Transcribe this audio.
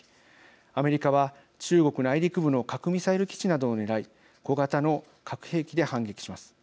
アメリカは中国内陸部の核ミサイル基地などを狙い小型の核兵器で反撃します。